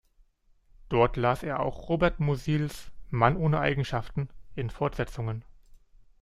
Dort las er auch Robert Musils "Mann ohne Eigenschaften" in Fortsetzungen.